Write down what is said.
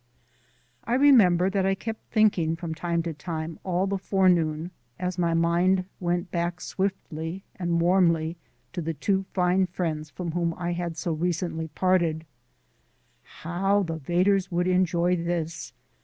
I remember that I kept thinking from time to time, all the forenoon, as my mind went back swiftly and warmly to the two fine friends from whom I had so recently parted: How the Vedders would enjoy this!